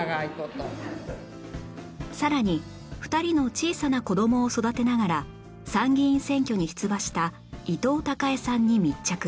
さらに２人の小さな子どもを育てながら参議院選挙に出馬した伊藤孝恵さんに密着